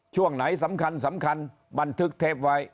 ช่วงไหนสำคัญบันทึกเทปไว้